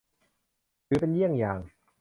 ถือเป็นเยี่ยงอย่าง